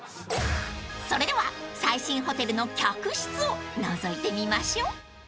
［それでは最新ホテルの客室をのぞいてみましょう］